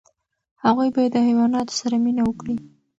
هغوی باید د حیواناتو سره مینه وکړي.